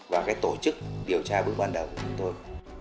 và cái tổ chức điều tra bước ban đầu của chúng tôi